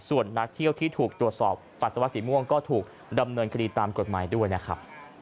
ส่วนนักเที่ยวที่ถูกตรวจสอบปัสสาวะสีม่วงก็ถูกดำเนินคดีตามกฎหมายด้วยนะครับ